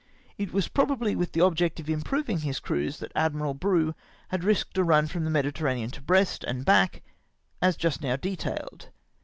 It was probably with the object of improving his crews that Admiral Bruix had risked a run from the Mediterranean to Brest and back, as just now detailed.